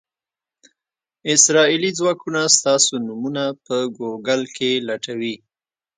اسرائیلي ځواکونه ستاسو نومونه په ګوګل کې لټوي.